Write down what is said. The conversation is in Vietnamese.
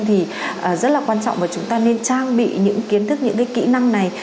thì rất là quan trọng và chúng ta nên trang bị những kiến thức những cái kỹ năng này